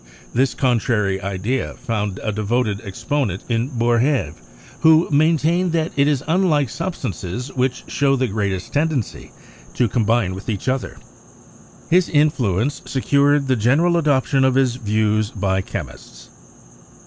This contrary idea found a devoted exponent in Boerhaave, who maintained that it is unlike substances which show the greatest tend ency to combine with each other. His influence secured the general adoption of his views by chemists.